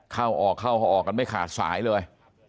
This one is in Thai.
เข้าออกเข้าออกกันไม่ขาดสายเลย